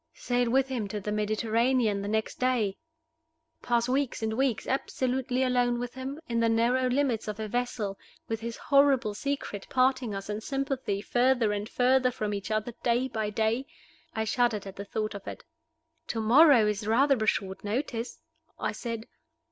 Sail with him to the Mediterranean the next day? Pass weeks and weeks absolutely alone with him, in the narrow limits of a vessel, with his horrible secret parting us in sympathy further and further from each other day by day? I shuddered at the thought of it. "To morrow is rather a short notice," I said.